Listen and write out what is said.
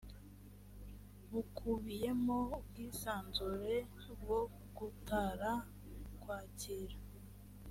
bukubiyemo ubwisanzure bwo gutara kwakira